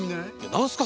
何すか？